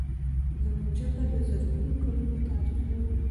زموږ ژبه د زرګونو کلونو تاریخ لري.